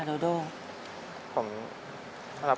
โดยโปรแกรมแม่รักลูกมาก